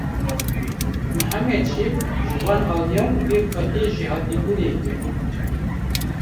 Mihemed jî ji wan aliyan ve xwediyê jêhatîbûnekê bû.